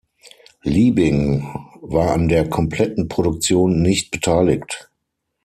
Liebing war an der kompletten Produktion nicht beteiligt.